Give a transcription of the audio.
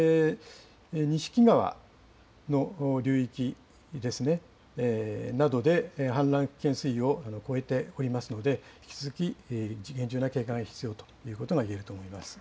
錦川の流域ですね、などで氾濫危険水位を超えておりますので、引き続き厳重な警戒が必要ということがいえると思います。